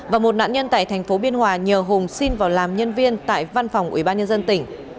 và một nạn nhân tại thành phố biên hòa nhờ hùng xin vào làm nhân viên tại văn phòng ubnd tỉnh